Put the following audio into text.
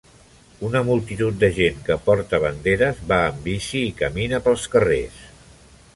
Una multitud de gent que porta banderes va en bici i camina pels carrers.